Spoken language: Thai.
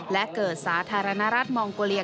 และเกิดสาธารณรัฐมองโกเลีย